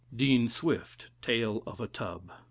* Dean Swift "Tale of a Tub."